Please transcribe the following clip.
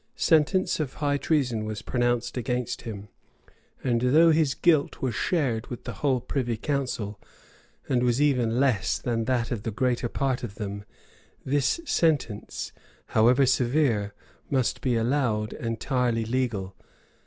Sentence of high treason was pronounced against him, and though his guilt was shared with the whole privy council and was even less than that of the greater part of them, this sentence, however severe, must be allowed entirely legal.